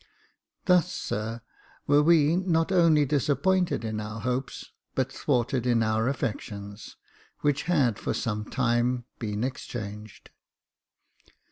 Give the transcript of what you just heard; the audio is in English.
Thus, sir, were we not only disappointed in our hopes, but thwarted in our affections, which had for some time been exchanged.